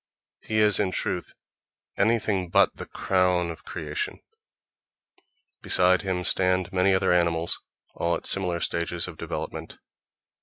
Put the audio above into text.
He is, in truth, anything but the crown of creation: beside him stand many other animals, all at similar stages of development....